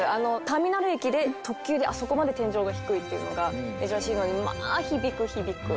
ターミナル駅であそこまで天井が低いっていうのが珍しいのでまあ響く響く。